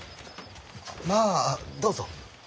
まあどうぞ。